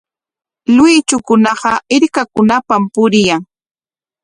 Luychukunaqa hirkakunapam puriyan.